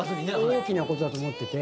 大きな事だと思ってて。